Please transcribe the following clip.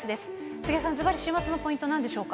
杉江さん、ずばり週末のポイントはなんでしょうか。